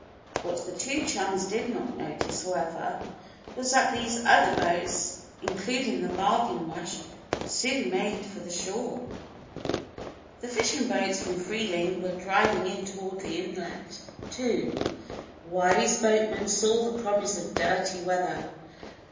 What the two chums did not notice, however, was that these other boats, including the Bargain Rush, soon made for the shore. The fishing boats from Freeling were driving in toward the inlet, too. Wise boatmen saw the promise of "dirty weather."